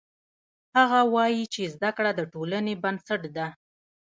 هغه وایي چې زده کړه د ټولنې بنسټ ده